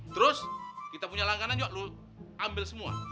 terus kita punya langganan juga lo ambil semua